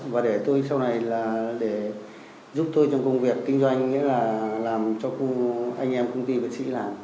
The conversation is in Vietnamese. và để tôi sau này là để giúp tôi trong công việc kinh doanh nghĩa là làm cho anh em công ty bác sĩ làm